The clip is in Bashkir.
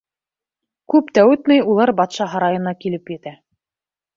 Күп тә үтмәй улар батша һарайына килеп етә.